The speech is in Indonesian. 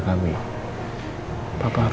kasih tau papa